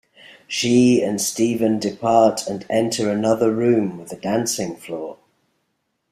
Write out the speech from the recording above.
She and Steven depart and enter another room with a dancing floor.